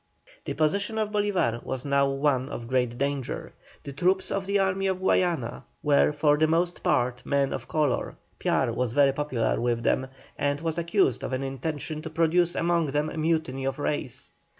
The position of Bolívar was now one of great danger; the troops of the army of Guayana were for the most part men of colour, Piar was very popular with them, and was accused of an intention to produce among them a mutiny of race.